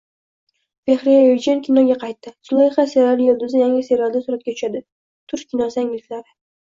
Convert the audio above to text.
Fahriye Evjen kinoga qaytdi, “Zuleyha” seriali yulduzi yangi serialda suratga tushadi. Turk kinosi yangiliklari